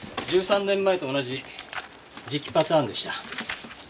１３年前と同じ磁気パターンでした。